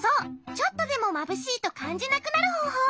ちょっとでもまぶしいとかんじなくなるほうほう。